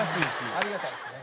ありがたいですね。